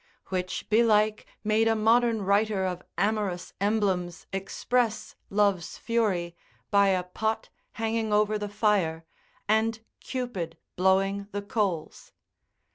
Which belike made a modern writer of amorous emblems express love's fury by a pot hanging over the fire, and Cupid blowing the coals.